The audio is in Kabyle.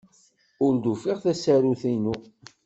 Ur d-ufiɣ tasarut-inu.